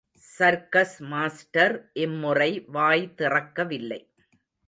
Circus master இம்முறை வாய் திறக்கவில்லை.